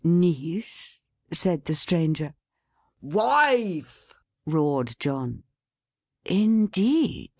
"Niece?" said the Stranger. "Wife," roared John. "Indeed?"